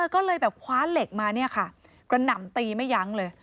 ก็เลยแบบคว้าเหล็กมาเนี่ยค่ะกระหน่ำตีไม่ยั้งเลย